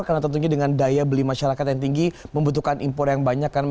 karena tentunya dengan daya beli masyarakat yang tinggi membutuhkan impor yang banyak